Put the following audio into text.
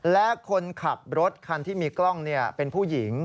และคนขับรถคันที่มีกล้องเป็นผู้หญิง